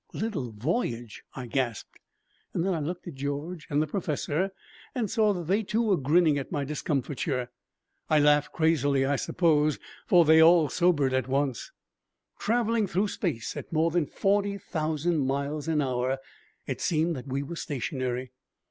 "Little voyage!" I gasped. And then I looked at George and the professor and saw that they, too, were grinning at my discomfiture. I laughed crazily, I suppose, for they all sobered at once. Traveling through space at more than forty thousand miles an hour, it seemed that we were stationary.